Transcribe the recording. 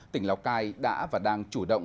tỉnh lào cai đã và đang chủ động